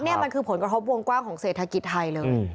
นี่มันคือผลกระทบวงกว้างของเศรษฐกิจไทยเลย